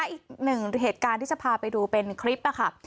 อีกหนึ่งเหตุการณ์ที่จะพาไปดูเป็นคลิปค่ะ